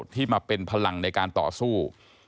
ที่มาเป็นพลังในการต่อสู้